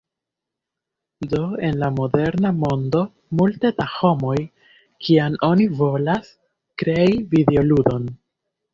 Do en la moderna mondo multe da homoj, kiam oni volas krei videoludon